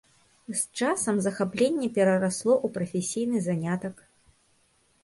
З часам захапленне перарасло ў прафесійны занятак.